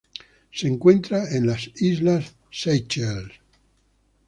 Se encuentra en las islas Seychelles.